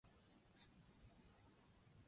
乘客的国籍如下所示。